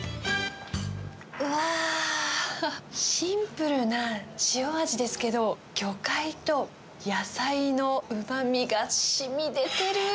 うわー、シンプルな塩味ですけど、魚介と野菜のうまみがしみ出てる。